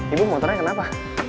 ibu motornya kenapa